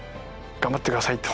「頑張ってください」と。